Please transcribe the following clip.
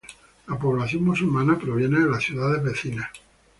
La población musulmana proviene de las ciudades vecinas.